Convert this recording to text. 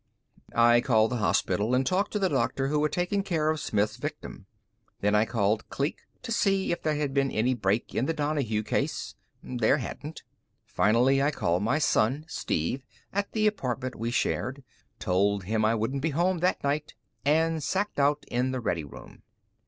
I called the hospital and talked to the doctor who had taken care of Smith's victim. Then I called Kleek to see if there had been any break in the Donahue case. There hadn't. Finally, I called my son, Steve, at the apartment we shared, told him I wouldn't be home that night, and sacked out in the ready room.